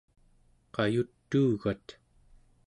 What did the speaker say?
qayutuugat?